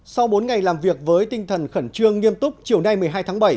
sau bốn ngày làm việc với tinh thần khẩn trương nghiêm túc chiều nay một mươi hai tháng bảy